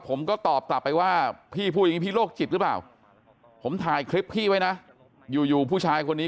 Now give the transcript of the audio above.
ผมก็ตอบกลับไปว่าพี่พูดอย่างนี้พี่โรคจิตหรือเปล่าผมถ่ายคลิปพี่ไว้นะอยู่ผู้ชายคนนี้